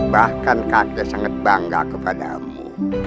bahkan kakek sangat bangga kepadamu